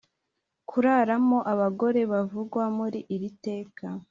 kuraramo abagore bavugwa muri iri teka